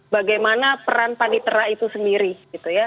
bagaimana peran pak diterha itu sendiri gitu ya